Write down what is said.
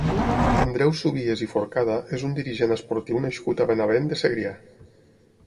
Andreu Subies i Forcada és un dirigent esportiu nascut a Benavent de Segrià.